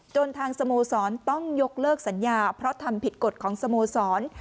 ทางสโมสรต้องยกเลิกสัญญาเพราะทำผิดกฎของสโมสร